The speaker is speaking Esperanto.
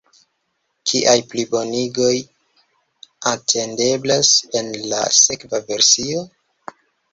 Kiaj plibonigoj atendeblas en la sekva versio?